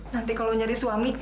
nanti kalau nyari suami